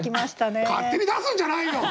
勝手に出すんじゃないよ！